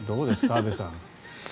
安部さん。